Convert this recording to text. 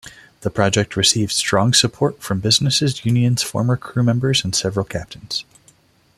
The project received strong support from businesses, unions, former crewmembers and several Captains.